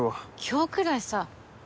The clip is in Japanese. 今日くらいさ。